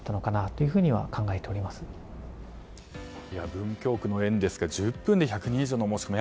文京区の園ですが１０分で１２０の申し込み